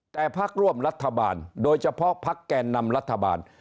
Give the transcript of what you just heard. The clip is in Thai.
แต่พักร่วมรัฐบาลโดยเฉพาะพักแก่นำรัฐบาล